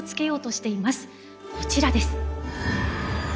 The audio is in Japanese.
こちらです。